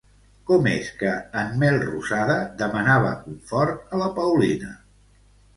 Com és que en Melrosada demanava confort a la Paulina?